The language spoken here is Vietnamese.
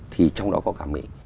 thì trong đó có cả mỹ